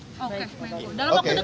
terima kasih pak